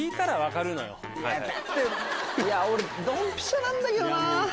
俺ドンピシャなんだけどな。